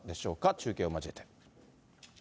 中継を交えて。